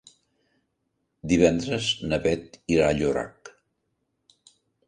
Divendres na Beth irà a Llorac.